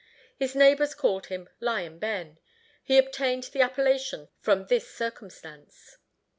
His neighbors called him "Lion Ben." He obtained the appellation from this circumstance.